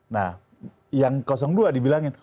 nah yang dua dibilangin